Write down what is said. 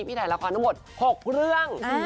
ถ่ายละครทั้งหมด๖เรื่อง